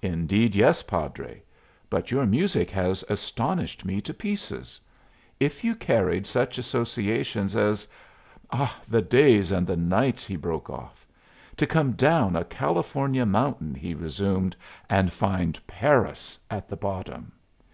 "Indeed yes, padre. But your music has astonished me to pieces. If you carried such associations as Ah! the days and the nights!" he broke off. "To come down a California mountain," he resumed, "and find Paris at the bottom!